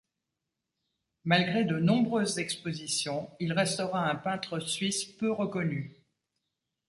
Malgré de nombreuses expositions, il restera un peintre suisse peu reconnu.